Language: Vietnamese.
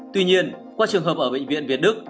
tuy nhiên qua trường hợp ở bệnh viện việt đức